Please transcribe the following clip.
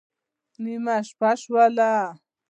نېمه شپه شوه